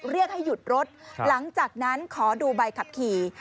เรียกให้หยุดรถหลังจากนั้นขอดูใบขับขี่